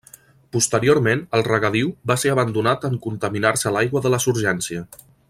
Posteriorment, el regadiu va ser abandonat en contaminar-se l'aigua de la surgència.